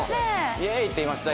「イエーイ！」って言いました？